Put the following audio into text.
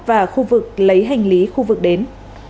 và khu vực lấy hành lý khu vực đến